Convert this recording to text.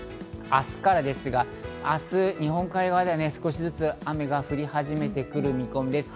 明日からですが、明日、日本海側では少しずつ雨が降り始めてくる見込みです。